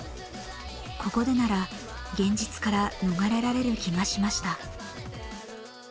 ここでなら現実から逃れられる気がしました。